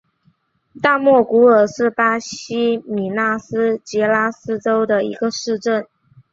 大莫古尔是巴西米纳斯吉拉斯州的一个市镇。